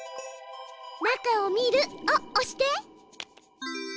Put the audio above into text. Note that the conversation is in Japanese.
「中を見る」を押して。